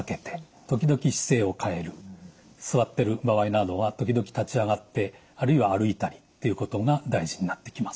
座ってる場合などは時々立ち上がってあるいは歩いたりっていうことが大事になってきます。